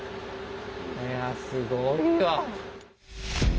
いやすごいわ。